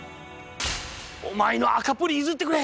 お前の赤プリ譲ってくれ！